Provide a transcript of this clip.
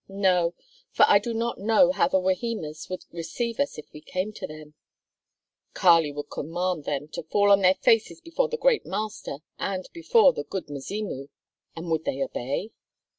"No, for I do not know how the Wahimas would receive us if we came to them." "Kali would command them to fall on their faces before the great master and before the 'Good Mzimu.'" "And would they obey?"